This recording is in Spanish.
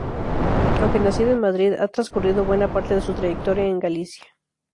Aunque nacido en Madrid, ha transcurrido buena parte de su trayectoria en Galicia.